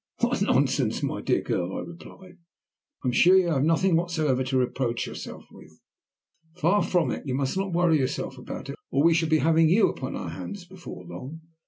"What nonsense, my dear girl," I replied. "I am sure you have nothing whatsoever to reproach yourself with. Far from it. You must not worry yourself about it, or we shall be having you upon our hands before long.